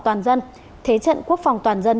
toàn dân thế trận quốc phòng toàn dân